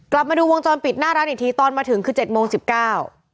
มาดูวงจรปิดหน้าร้านอีกทีตอนมาถึงคือเจ็ดโมงสิบเก้า